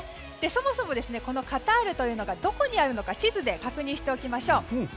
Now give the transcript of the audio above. そもそもこのカタールというのがどこにあるのか地図で確認しましょう。